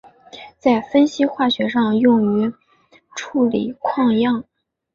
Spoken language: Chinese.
在分析化学上用于处理矿样。